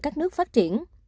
các nước phát triển